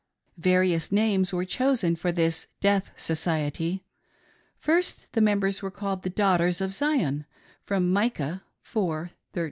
Various names were chosen for this " death society." First the members were called Daughters of Zion [from Micah iv.